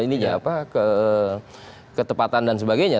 ini ketepatan dan sebagainya